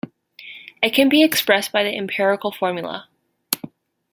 It can be expressed by the empirical formula.